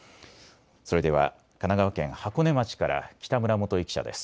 それでは神奈川県箱根町から北村基記者です。